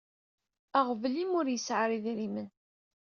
Aɣbel imi ur yesɛi ara idrimen.